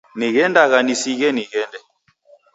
Nighendagha nisighe nighende.